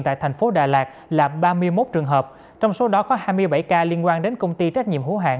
tại thành phố đà lạt là ba mươi một trường hợp trong số đó có hai mươi bảy ca liên quan đến công ty trách nhiệm hữu hạng